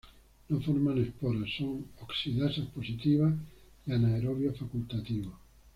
No forman esporas, son oxidasa positiva, y anaerobios facultativos.